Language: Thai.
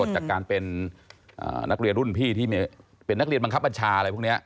จากการเป็นนักเรียนรุ่นพี่ที่เป็นนักเรียนบังคับบัญชาอะไรพวกนี้